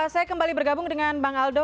saya kembali bergabung dengan bang aldo